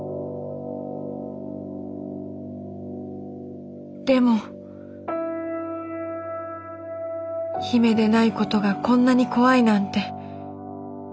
心の声でも姫でないことがこんなに怖いなんて。